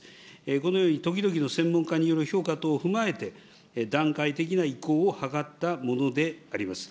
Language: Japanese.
このように時々の専門家による評価等を踏まえて、段階的な移行を図ったものであります。